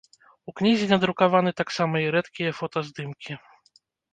У кнізе надрукаваны таксама і рэдкія фотаздымкі.